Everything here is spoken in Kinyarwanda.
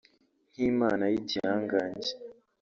nk’Imana y’igihangange